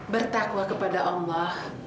bertakwa kepada allah